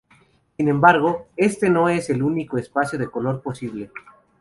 Sin embargo, este no es el único espacio de color posible.